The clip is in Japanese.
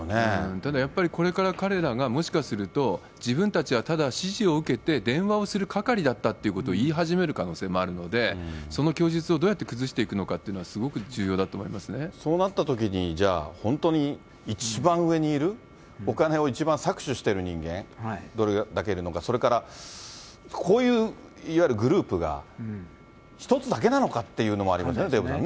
ただやっぱり、これから彼らがもしかすると、自分たちはただ指示を受けて、電話をする係だったということを言い始める可能性もあるので、その供述をどうやって崩していくのかというのが、そうなったときに、じゃあ本当に一番上にいる、お金を一番搾取してる人間、どれだけいるのか、それからこういういわゆるグループが、１つだけなのかっていうのもありますよね、デーブさんね。